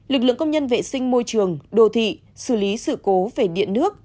lực lượng công nhân vệ sinh môi trường đô thị xử lý sự cố về điện nước